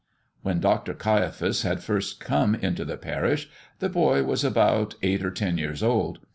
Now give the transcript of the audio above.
When Dr. Caiaphas had first come into the parish the boy was about eight or ten years old.